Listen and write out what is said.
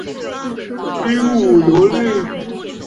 内角石是一属已灭绝的鹦鹉螺类。